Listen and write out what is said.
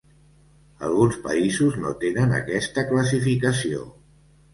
Alguns països no tenen aquesta classificació.